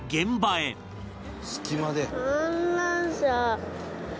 「隙間で」